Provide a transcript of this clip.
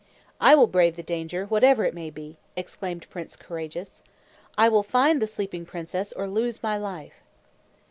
"I will brave the danger, whatever it may be!" exclaimed Prince Courageous. "I will find the sleeping princess or lose my life!"